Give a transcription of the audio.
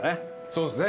そうですね。